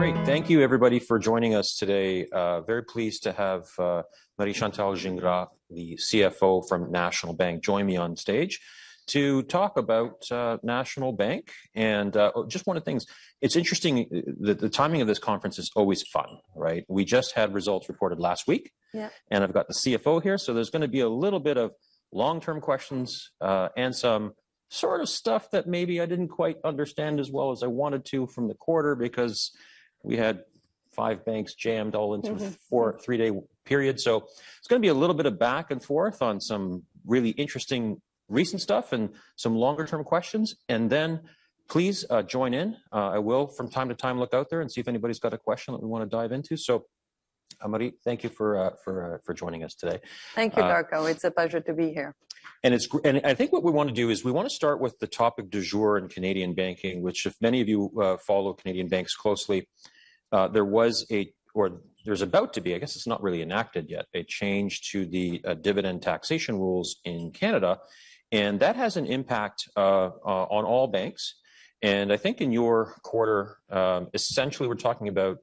Great. Thank you, everybody, for joining us today. Very pleased to have Marie Chantal Gingras, the CFO from National Bank, join me on stage to talk about National Bank. And just one of the things, it's interesting that the timing of this conference is always fun, right? We just had results reported last week. Yeah. I've got the CFO here, so there's going to be a little bit of long-term questions, and some sort of stuff that maybe I didn't quite understand as well as I wanted to from the quarter because we had five banks jammed all into a 43-day period. So it's going to be a little bit of back and forth on some really interesting recent stuff and some longer-term questions. And then please, join in. I will from time to time look out there and see if anybody's got a question that we want to dive into. So, Marie, thank you for joining us today. Thank you, Darko. It's a pleasure to be here. It's great. I think what we want to do is we want to start with the topic du jour in Canadian banking, which, if many of you follow Canadian banks closely, there was a or there's about to be, I guess it's not really enacted yet, a change to the dividend taxation rules in Canada. That has an impact on all banks. I think in your quarter, essentially we're talking about,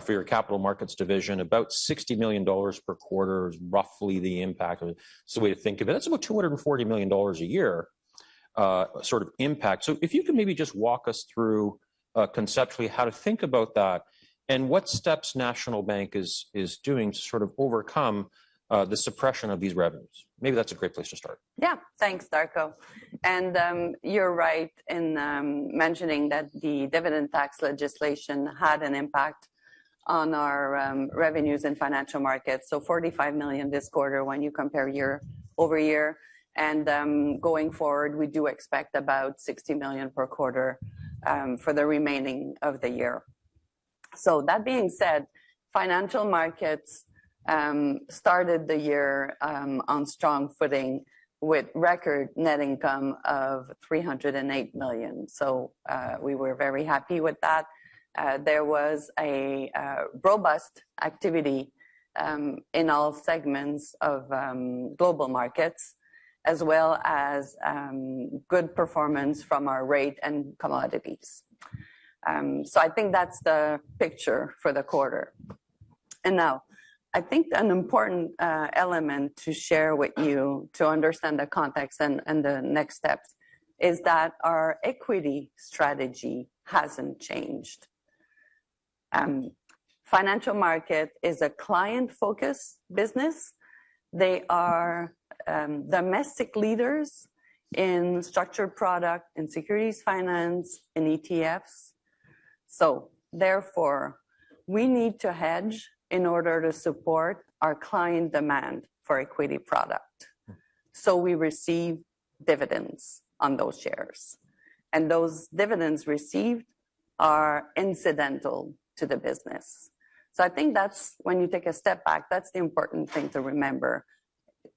for your capital markets division, about 60 million dollars per quarter is roughly the impact. It's a way to think of it. That's about 240 million dollars a year, sort of impact. So if you can maybe just walk us through, conceptually how to think about that and what steps National Bank of Canada is, is doing to sort of overcome the suppression of these revenues. Maybe that's a great place to start. Yeah. Thanks, Darko. And, you're right in mentioning that the dividend tax legislation had an impact on our revenues and Financial Markets. So 45 million this quarter when you compare year-over-year. And, going forward, we do expect about 60 million per quarter for the remaining of the year. So that being said, Financial Markets started the year on strong footing with record net income of 308 million. So, we were very happy with that. There was a robust activity in all segments of global markets, as well as good performance from our Rates and Commodities. So I think that's the picture for the quarter. And now I think an important element to share with you to understand the context and the next steps is that our equity strategy hasn't changed. Financial market is a client-focused business. They are domestic leaders in structured product, in securities finance, in ETFs. So therefore, we need to hedge in order to support our client demand for equity product. So we receive dividends on those shares. And those dividends received are incidental to the business. So I think that's when you take a step back, that's the important thing to remember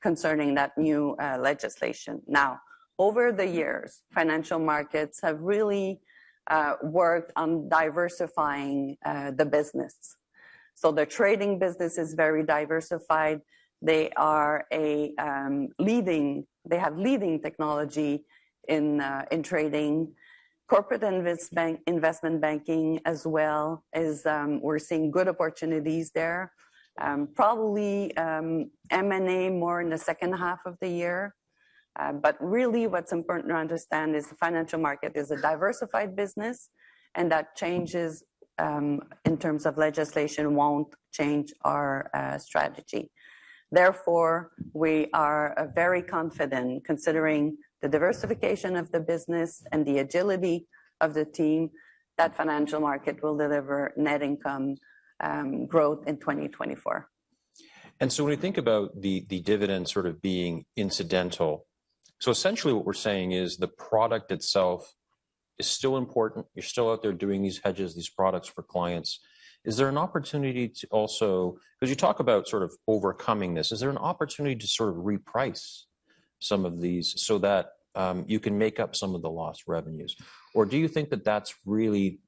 concerning that new legislation. Now, over the years, Financial Markets have really worked on diversifying the business. So the trading business is very diversified. They are leading; they have leading technology in trading, corporate investment banking as well as we're seeing good opportunities there, probably M&A more in the second half of the year. But really what's important to understand is the Financial Markets is a diversified business and that changes in terms of legislation won't change our strategy. Therefore, we are very confident considering the diversification of the business and the agility of the team that Financial Markets will deliver net income, growth in 2024. And so when we think about the dividend sort of being incidental, so essentially what we're saying is the product itself is still important. You're still out there doing these hedges, these products for clients. Is there an opportunity to also because you talk about sort of overcoming this, is there an opportunity to sort of reprice some of these so that you can make up some of the lost revenues? Or do you think that that's really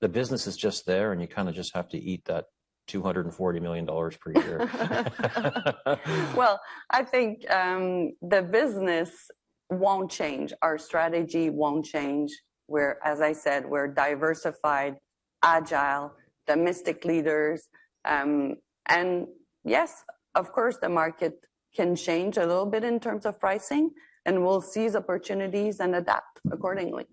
the business is just there and you kind of just have to eat that 240 million dollars per year? Well, I think the business won't change. Our strategy won't change. We're, as I said, we're diversified, agile, domestic leaders. And yes, of course the market can change a little bit in terms of pricing, and we'll seize opportunities and adapt accordingly.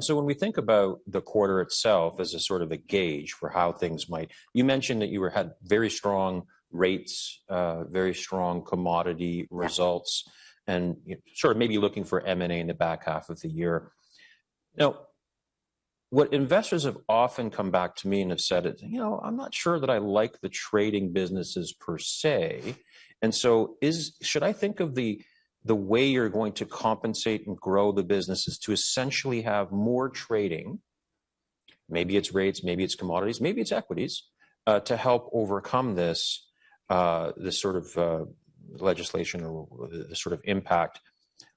So when we think about the quarter itself as a sort of a gauge for how things might. You mentioned that you had very strong rates, very strong commodity results. Yeah. Sort of maybe looking for M&A in the back half of the year. Now, what investors have often come back to me and have said is, you know, I'm not sure that I like the trading businesses per se. And so, should I think of the, the way you're going to compensate and grow the business as to essentially have more trading, maybe it's rates, maybe it's commodities, maybe it's equities, to help overcome this, this sort of legislation or the sort of impact.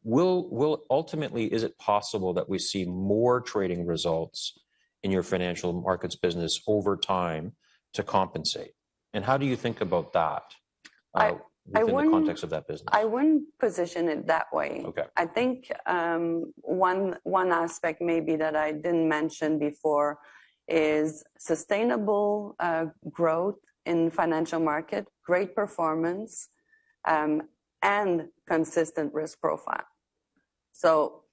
Well, ultimately, is it possible that we see more trading results in your Financial Markets business over time to compensate? And how do you think about that, within the context of that business? I wouldn't position it that way. Okay. I think one aspect maybe that I didn't mention before is sustainable growth in financial market, great performance, and consistent risk profile. So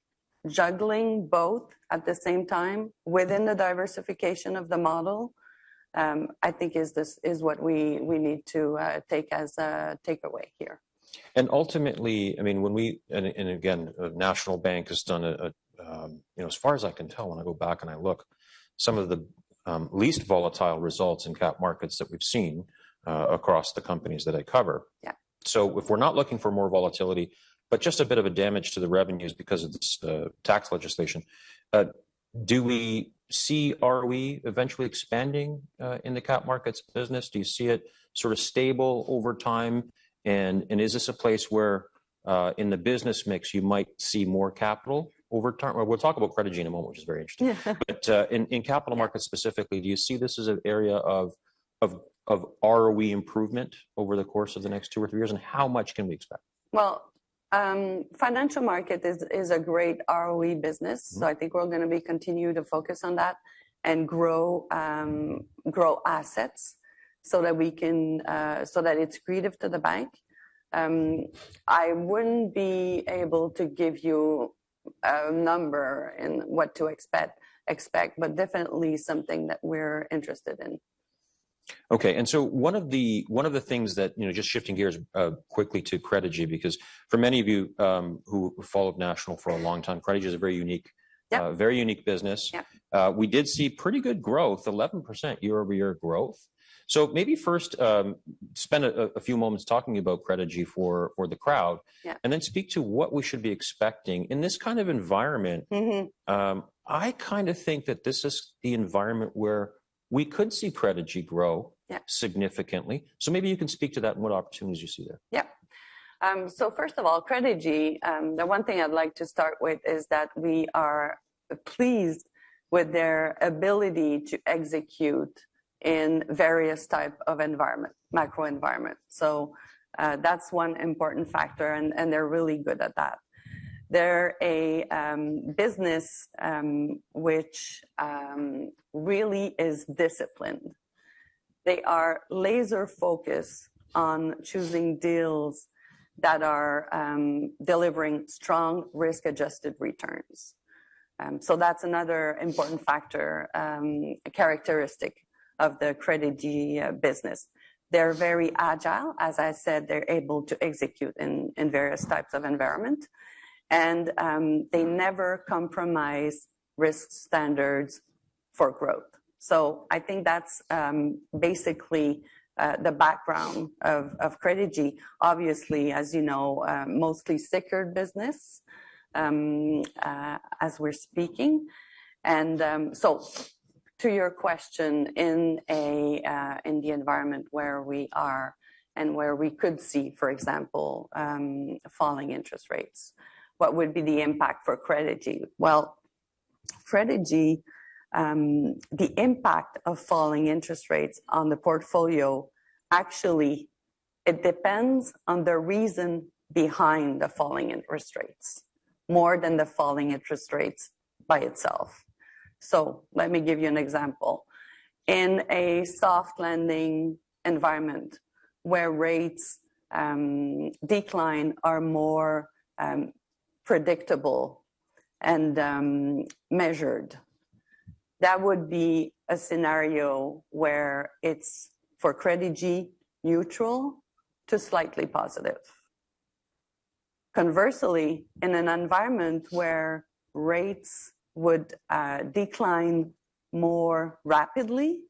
juggling both at the same time within the diversification of the model, I think this is what we need to take as a takeaway here. Ultimately, I mean, and again, National Bank has done, you know, as far as I can tell when I go back and I look, some of the least volatile results in capital markets that we've seen across the companies that I cover. Yeah. So if we're not looking for more volatility, but just a bit of a damage to the revenues because of this tax legislation, do we see are we eventually expanding in the cap markets business? Do you see it sort of stable over time? And is this a place where, in the business mix, you might see more capital over time? We'll talk about Credigy in a moment, which is very interesting. Yeah. But, in capital markets specifically, do you see this as an area of ROE improvement over the course of the next two or three years and how much can we expect? Well, Financial Markets is a great ROE business. I think we're going to continue to focus on that and grow assets so that we can, so that it's creative to the bank. I wouldn't be able to give you a number in what to expect, but definitely something that we're interested in. Okay. One of the things that, you know, just shifting gears quickly to Credigy because for many of you who followed National for a long time, Credigy is a very unique business. Yeah. We did see pretty good growth, 11% year-over-year growth. So maybe first, spend a few moments talking about Credigy for the crowd. Yeah. Speak to what we should be expecting in this kind of environment.I kind of think that this is the environment where we could see Credigy grow significantly. So maybe you can speak to that and what opportunities you see there. Yeah. So first of all, Credigy, the one thing I'd like to start with is that we are pleased with their ability to execute in various type of environment, macro environment. So, that's one important factor, and they're really good at that. They're a business which really is disciplined. They are laser-focused on choosing deals that are delivering strong risk-adjusted returns. So that's another important factor, characteristic of the Credigy business. They're very agile. As I said, they're able to execute in various types of environments. And they never compromise risk standards for growth. So I think that's basically the background of Credigy. Obviously, as you know, mostly structured business, as we're speaking. So to your question, in the environment where we are and where we could see, for example, falling interest rates, what would be the impact for Credigy? Well, Credigy, the impact of falling interest rates on the portfolio actually it depends on the reason behind the falling interest rates more than the falling interest rates by itself. So let me give you an example. In a soft landing environment where rates decline are more predictable and measured, that would be a scenario where it's for Credigy neutral to slightly positive. Conversely, in an environment where rates would decline more rapidly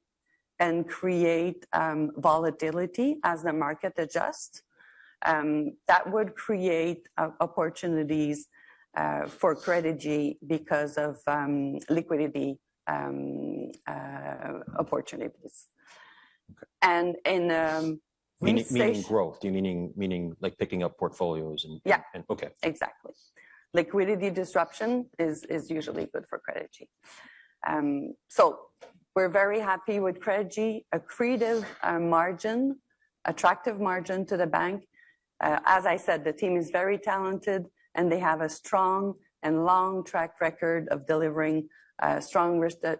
and create volatility as the market adjusts, that would create opportunities for Credigy because of liquidity opportunities. Okay. And in stage. When you mean growth, do you mean like picking up portfolios and- Yeah. Okay. Exactly. Liquidity disruption is usually good for Credigy. So we're very happy with Credigy, an accretive, attractive margin to the bank. As I said, the team is very talented and they have a strong and long track record of delivering strong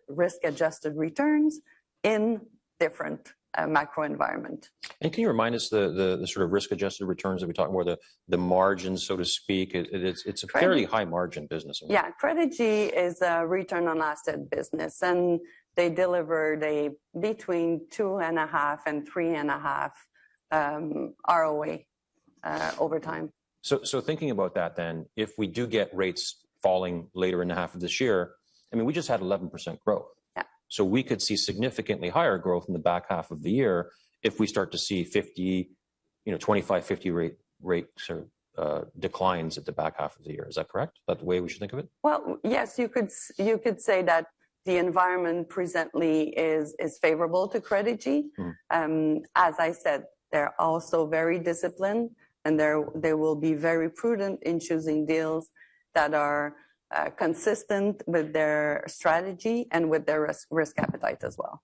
risk-adjusted returns in different macro environments. Can you remind us the sort of risk-adjusted returns that we talked about, the margins, so to speak? It's a fairly high margin business. Yeah. Credigy is a return on assets business and they delivered a between 2.5 and 3.5 ROA over time. So, thinking about that then, if we do get rates falling later in the half of this year, I mean, we just had 11% growth. Yeah. So we could see significantly higher growth in the back half of the year if we start to see 50, you know, 25, 50 rate sort of, declines at the back half of the year. Is that correct? That the way we should think of it? Well, yes, you could say that the environment presently is favorable to Credigy.As I said, they're also very disciplined and they're they will be very prudent in choosing deals that are consistent with their strategy and with their risk appetite as well.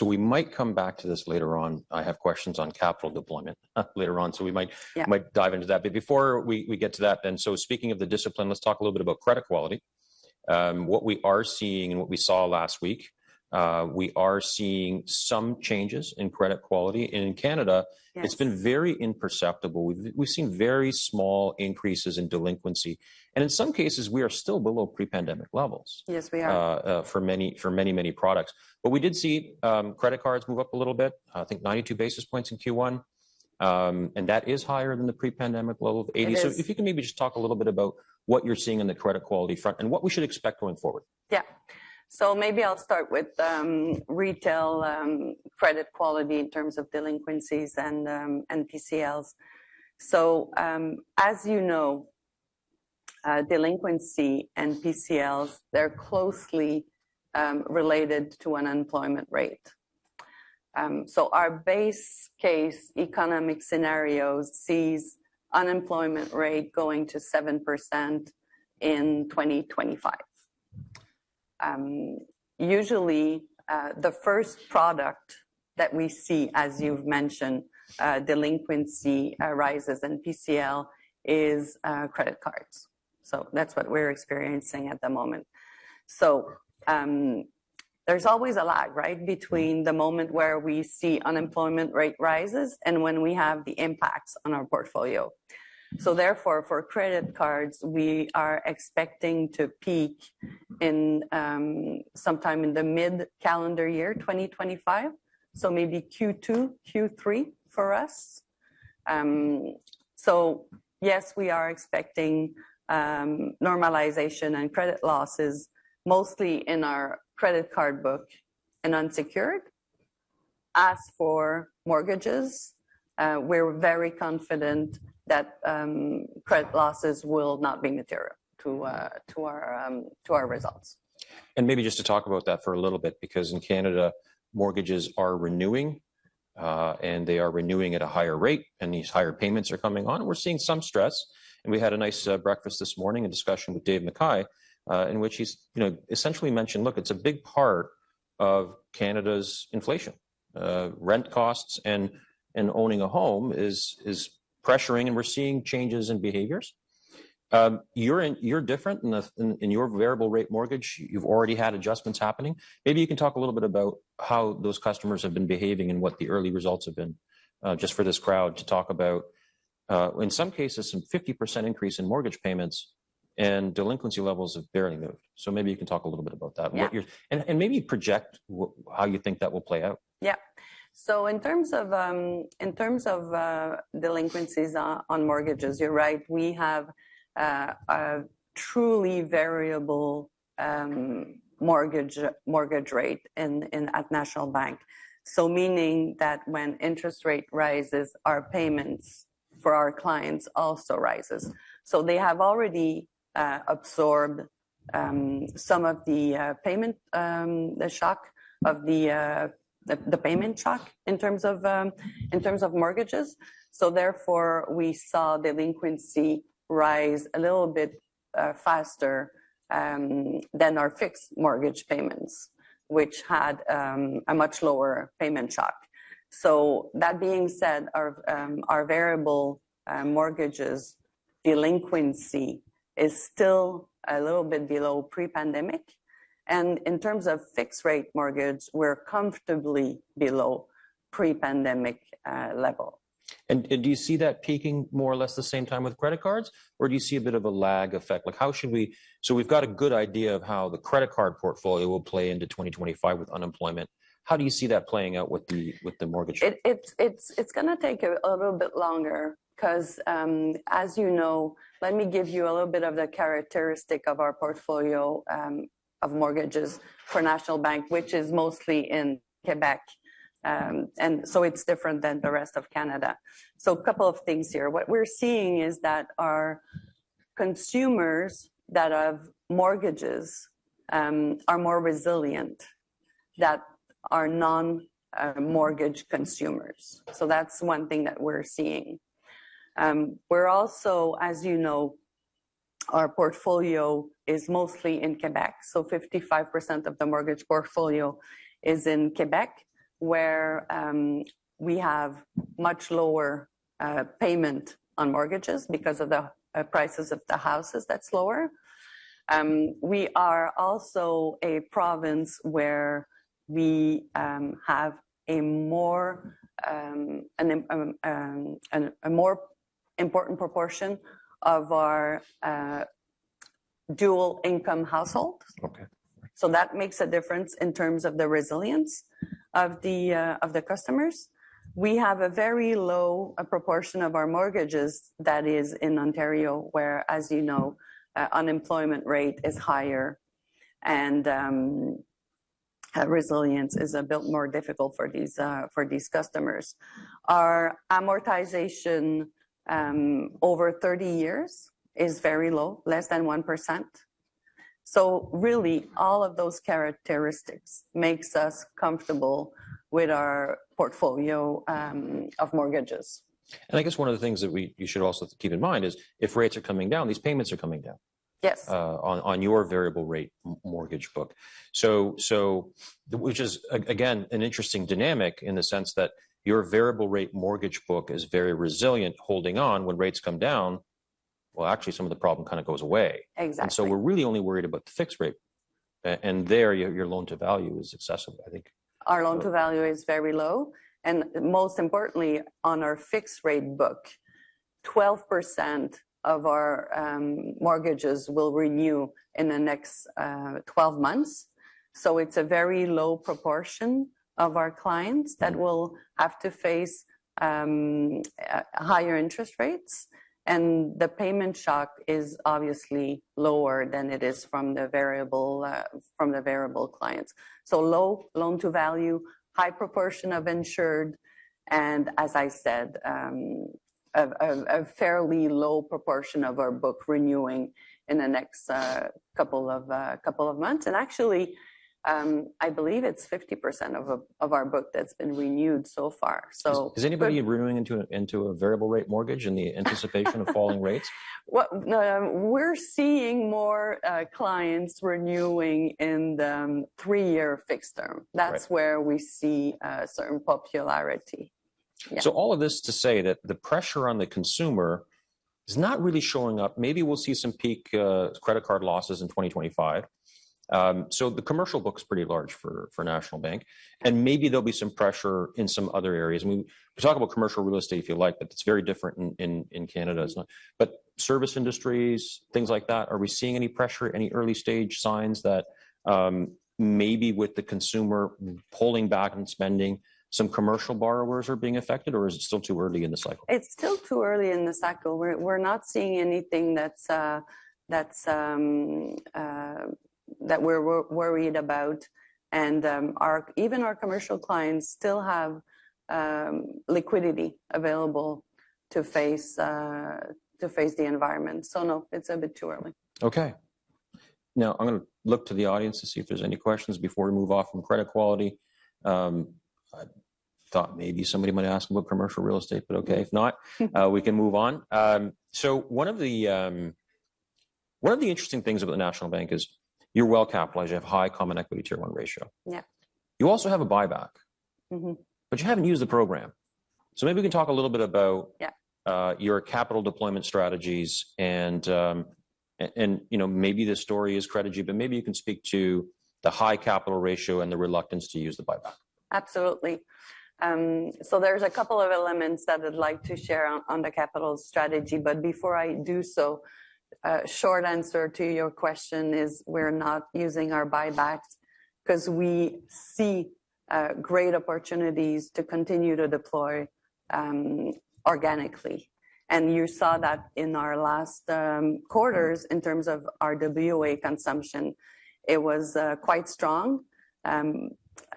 We might come back to this later on. I have questions on capital deployment later on. Yeah. We might dive into that. But before we get to that then, so speaking of the discipline, let's talk a little bit about credit quality. What we are seeing and what we saw last week, we are seeing some changes in credit quality. And in Canada, it's been very imperceptible. We've seen very small increases in delinquency. In some cases, we are still below pre-pandemic levels. Yes, we are. For many products. But we did see credit cards move up a little bit, I think 92 basis points in Q1, and that is higher than the pre-pandemic level of 80. Yeah. If you can maybe just talk a little bit about what you're seeing on the credit quality front and what we should expect going forward? Yeah. So maybe I'll start with retail credit quality in terms of delinquencies and PCLs. So, as you know, delinquency and PCLs they're closely related to unemployment rate. So our base case economic scenario sees unemployment rate going to 7% in 2025. Usually, the first product that we see, as you've mentioned, delinquency rises and PCLs credit cards. So that's what we're experiencing at the moment. So, there's always a lag, right, between the moment where we see unemployment rate rises and when we have the impacts on our portfolio. So therefore, for credit cards, we are expecting to peak in sometime in the mid-calendar year 2025. So maybe Q2, Q3 for us. So yes, we are expecting normalization and credit losses mostly in our credit card book and unsecured. As for mortgages, we're very confident that credit losses will not be material to our results. Maybe just to talk about that for a little bit because in Canada, mortgages are renewing, and they are renewing at a higher rate and these higher payments are coming on. We're seeing some stress. We had a nice breakfast this morning, a discussion with Dave McKay, in which he's, you know, essentially mentioned, look, it's a big part of Canada's inflation. Rent costs and owning a home is pressuring and we're seeing changes in behaviors. You're different in your variable rate mortgage. You've already had adjustments happening. Maybe you can talk a little bit about how those customers have been behaving and what the early results have been, just for this crowd to talk about, in some cases, some 50% increase in mortgage payments and delinquency levels have barely moved. So maybe you can talk a little bit about that. Yeah. What you're doing and maybe project how you think that will play out. Yeah. So in terms of delinquencies on mortgages, you're right. We have a truly variable mortgage rate at National Bank. So meaning that when interest rate rises, our payments for our clients also rises. So they have already absorbed some of the payment shock in terms of mortgages. So therefore, we saw delinquency rise a little bit faster than our fixed mortgage payments, which had a much lower payment shock. So that being said, our variable mortgages delinquency is still a little bit below pre-pandemic. And in terms of fixed rate mortgages, we're comfortably below pre-pandemic level. And do you see that peaking more or less the same time with credit cards or do you see a bit of a lag effect? Like, how should we so we've got a good idea of how the credit card portfolio will play into 2025 with unemployment. How do you see that playing out with the mortgage rate? It's going to take a little bit longer because, as you know, let me give you a little bit of the characteristic of our portfolio of mortgages for National Bank, which is mostly in Quebec. So it's different than the rest of Canada. So a couple of things here. What we're seeing is that our consumers that have mortgages are more resilient than non-mortgage consumers. So that's one thing that we're seeing. We're also, as you know, our portfolio is mostly in Quebec. So 55% of the mortgage portfolio is in Quebec where we have much lower payments on mortgages because of the prices of the houses; that's lower. We are also a province where we have a more important proportion of our dual income households. Okay. So that makes a difference in terms of the resilience of the, of the customers. We have a very low proportion of our mortgages that is in Ontario where, as you know, unemployment rate is higher and, resilience is a bit more difficult for these, for these customers. Our amortization over 30 years is very low, less than 1%. So really, all of those characteristics makes us comfortable with our portfolio of mortgages. I guess one of the things that you should also keep in mind is if rates are coming down, these payments are coming down. Yes. On your variable rate mortgage book. So which is, again, an interesting dynamic in the sense that your variable rate mortgage book is very resilient holding on when rates come down. Well, actually, some of the problem kind of goes away. Exactly. And so we're really only worried about the fixed rate. And there your loan to value is excessive, I think. Our loan to value is very low. Most importantly, on our fixed rate book, 12% of our mortgages will renew in the next 12 months. It's a very low proportion of our clients that will have to face higher interest rates. The payment shock is obviously lower than it is from the variable, from the variable clients. Low loan to value, high proportion of insured. As I said, a fairly low proportion of our book renewing in the next couple of months. Actually, I believe it's 50% of our book that's been renewed so far. Is anybody renewing into a variable rate mortgage in the anticipation of falling rates? What? No, we're seeing more clients renewing in the three-year fixed term. That's where we see certain popularity. Yeah. So all of this to say that the pressure on the consumer is not really showing up. Maybe we'll see some peak credit card losses in 2025. So the commercial book's pretty large for National Bank. And maybe there'll be some pressure in some other areas. And we can talk about commercial real estate if you like, but it's very different in Canada. It's not but service industries, things like that, are we seeing any pressure, any early stage signs that, maybe with the consumer pulling back and spending, some commercial borrowers are being affected or is it still too early in the cycle? It's still too early in the cycle. We're not seeing anything that's that we're worried about. Even our commercial clients still have liquidity available to face the environment. So no, it's a bit too early. Okay. Now I'm going to look to the audience to see if there's any questions before we move off from credit quality. I thought maybe somebody might ask about commercial real estate, but okay. If not, we can move on. So one of the interesting things about the National Bank is you're well capitalized. You have a high Common Equity Tier 1 ratio. Yeah. You also have a buyback. But you haven't used the program. So maybe we can talk a little bit about. Yeah. Your capital deployment strategies and, you know, maybe this story is Credigy, but maybe you can speak to the high capital ratio and the reluctance to use the buyback. Absolutely. So there's a couple of elements that I'd like to share on the capital strategy. But before I do so, short answer to your question is we're not using our buybacks because we see great opportunities to continue to deploy organically. And you saw that in our last quarters in terms of RWA consumption. It was quite strong,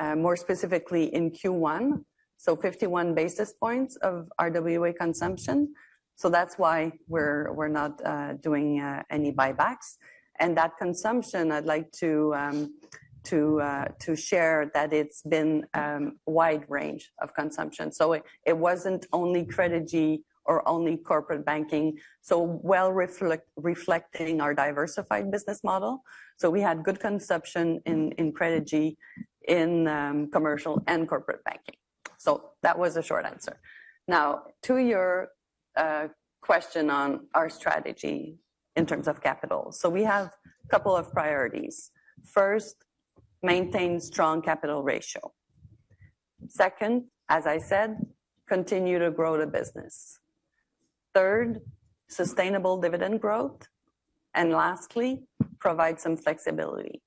more specifically in Q1. So 51 basis points of RWA consumption. So that's why we're not doing any buybacks. And that consumption, I'd like to share that it's been a wide range of consumption. So it wasn't only Credigy or only corporate banking. So well reflecting our diversified business model. So we had good consumption in Credigy, in commercial and corporate banking. So that was a short answer. Now to your question on our strategy in terms of capital. So we have a couple of priorities. First, maintain strong capital ratio. Second, as I said, continue to grow the business. Third, sustainable dividend growth. And lastly, provide some flexibility.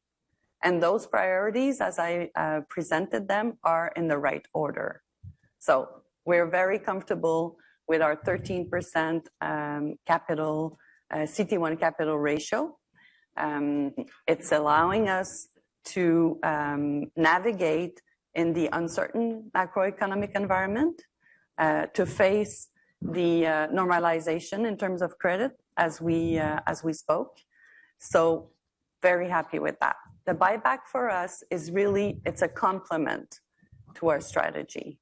And those priorities, as I presented them, are in the right order. So we're very comfortable with our 13% CET1 capital ratio. It's allowing us to navigate in the uncertain macroeconomic environment, to face the normalization in terms of credit as we spoke. So very happy with that. The buyback for us is really, it's a complement to our strategy.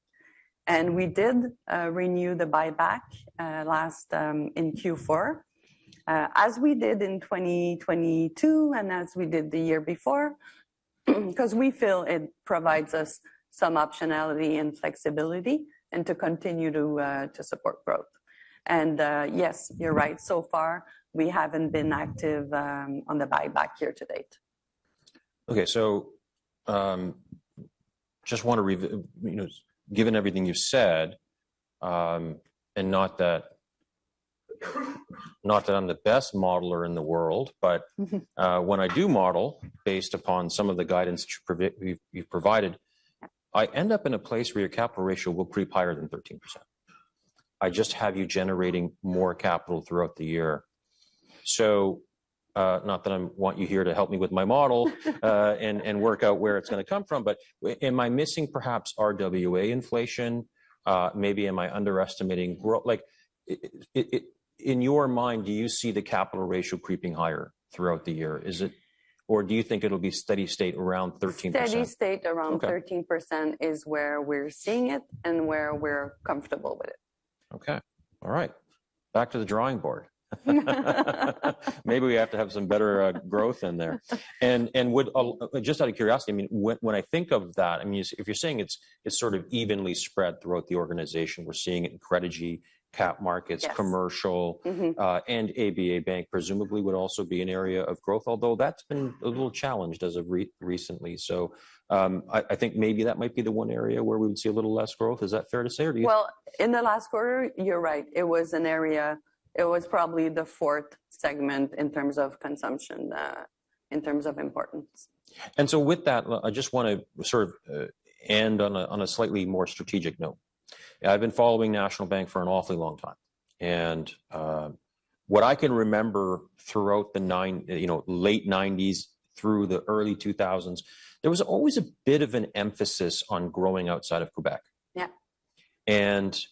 And we did renew the buyback last in Q4, as we did in 2022 and as we did the year before because we feel it provides us some optionality and flexibility and to continue to support growth. And yes, you're right. So far, we haven't been active on the buyback year to date. Okay. So, just want to, you know, given everything you've said, and not that not that I'm the best modeler in the world, but, when I do model based upon some of the guidance you've provided, I end up in a place where your capital ratio will creep higher than 13%. I just have you generating more capital throughout the year. So, not that I want you here to help me with my model, and, and work out where it's going to come from, but am I missing perhaps RWA inflation? Maybe am I underestimating growth? Like, in your mind, do you see the capital ratio creeping higher throughout the year? Is it or do you think it'll be steady state around 13%? Steady state around 13% is where we're seeing it and where we're comfortable with it. Okay. All right. Back to the drawing board. Maybe we have to have some better growth in there. And would just out of curiosity, I mean, when I think of that, I mean, if you're saying it's sort of evenly spread throughout the organization, we're seeing it in Credigy, cap markets, commercial, and ABA Bank, presumably would also be an area of growth, although that's been a little challenged as of recently. So I think maybe that might be the one area where we would see a little less growth. Is that fair to say, or do you? Well, in the last quarter, you're right. It was an area. It was probably the fourth segment in terms of consumption, in terms of importance. So with that, I just want to sort of end on a on a slightly more strategic note. I've been following National Bank for an awfully long time. What I can remember throughout the 1990s, you know, late 1990s through the early 2000s, there was always a bit of an emphasis on growing outside of Quebec. Yeah. It's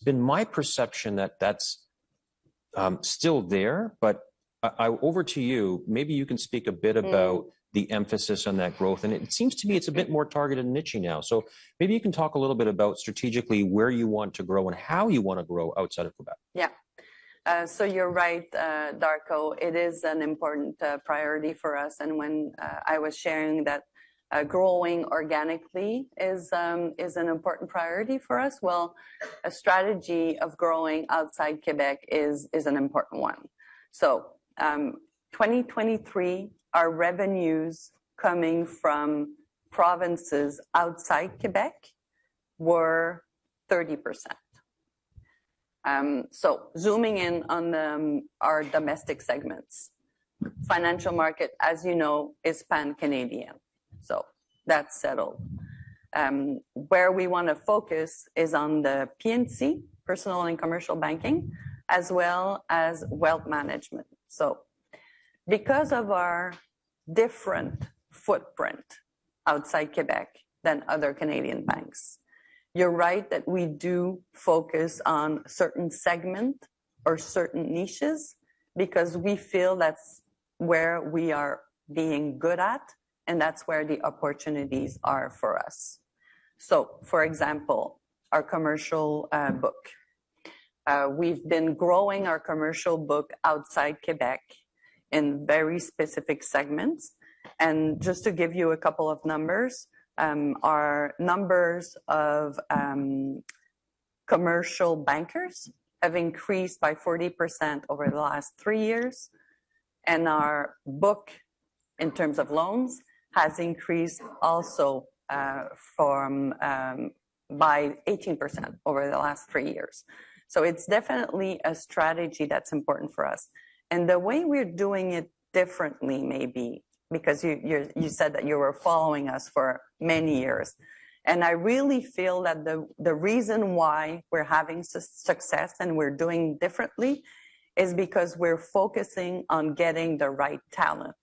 been my perception that that's still there, but over to you. Maybe you can speak a bit about the emphasis on that growth. It seems to me it's a bit more targeted and niche now. So maybe you can talk a little bit about strategically where you want to grow and how you want to grow outside of Quebec. Yeah. So you're right, Darko. It is an important priority for us. And when I was sharing that, growing organically is an important priority for us. Well, a strategy of growing outside Quebec is an important one. So, 2023, our revenues coming from provinces outside Quebec were 30%. So, zooming in on our domestic segments, Financial Markets, as you know, is pan-Canadian. So that's settled. Where we want to focus is on the P&C, Personal and Commercial Banking, as well as Wealth Management. So, because of our different footprint outside Quebec than other Canadian banks, you're right that we do focus on certain segments or certain niches because we feel that's where we are being good at and that's where the opportunities are for us. So, for example, our commercial book, we've been growing our commercial book outside Quebec in very specific segments. Just to give you a couple of numbers, our numbers of commercial bankers have increased by 40% over the last three years. And our book in terms of loans has increased also by 18% over the last three years. So it's definitely a strategy that's important for us. And the way we're doing it differently, maybe, because you said that you were following us for many years. And I really feel that the reason why we're having success and we're doing differently is because we're focusing on getting the right talent,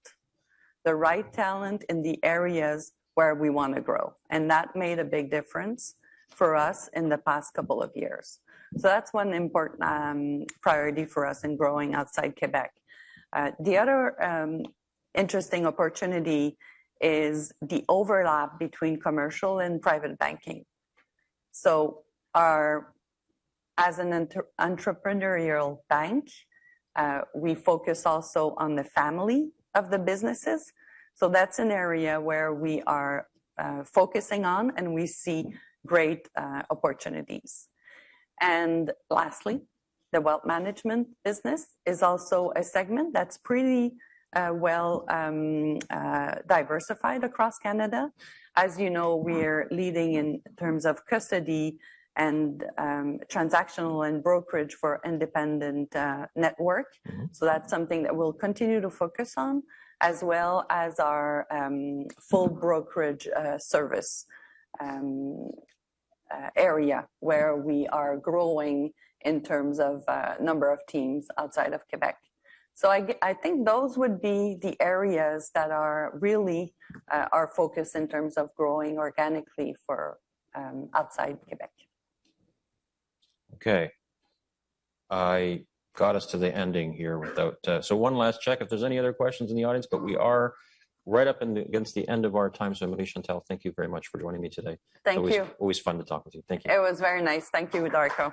the right talent in the areas where we want to grow. And that made a big difference for us in the past couple of years. So that's one important priority for us in growing outside Quebec. The other interesting opportunity is the overlap between commercial and private banking. So as an entrepreneurial bank, we focus also on the family of the businesses. So that's an area where we are focusing on and we see great opportunities. And lastly, the wealth management business is also a segment that's pretty well diversified across Canada. As you know, we're leading in terms of custody and transactional and brokerage for Independent Network. So that's something that we'll continue to focus on as well as our full brokerage service area where we are growing in terms of number of teams outside of Quebec. So I think those would be the areas that are really our focus in terms of growing organically outside Quebec. Okay. I got us to the ending here without, so one last check if there's any other questions in the audience, but we are right up against the end of our time. So, Marie Chantal, thank you very much for joining me today. Thank you. Always, always fun to talk with you. Thank you. It was very nice. Thank you, Darko.